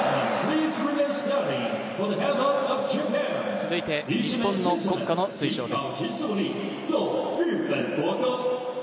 続いて日本の国歌の斉唱です。